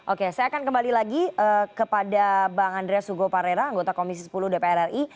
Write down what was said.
oke saya akan kembali lagi kepada bang andreas hugo parera anggota komisi sepuluh dpr ri